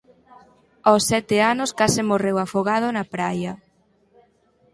Aos sete anos case morreu afogado na praia.